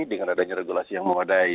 dengan adanya regulasi yang memadai